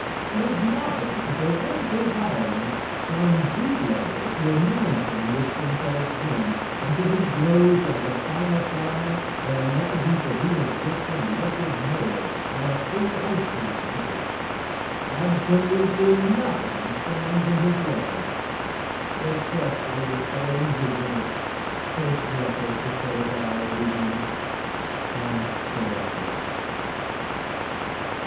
There is nothing to prevent his hiring some bootlegger to anoint him with synthetic gin until he glows like a fire fly and imagines that he has just been elected Mayor on a Free Ice Cream ticket. Absolutely nothing stands in his way, except a dispairing vision of crêpe letters before his eyes reading:" And For What?"